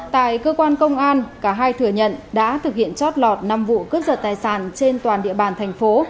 tại cơ quan công an cả hai thừa nhận đã thực hiện chót lọt năm vụ cướp giật tài sản trên toàn địa bàn thành phố